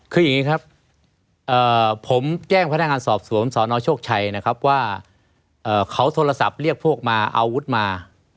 คืออย่างนี้ครับผมแก้งพนธนาฬงานสอบสวนสอนท้อโชกชัยว่าเขาโทรศัพท์เรียกพวกมาเอาวุฒิมา